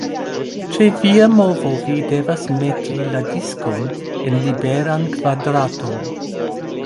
Ĉe via movo vi devas meti la diskon en liberan kvadraton.